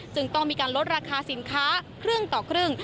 ต้องมีการลดราคาสินค้าครึ่งต่อครึ่ง